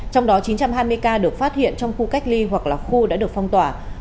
trong đó chín trăm hai mươi ca được phát hiện trong khu cách ly hoặc là khu đã được phong tỏa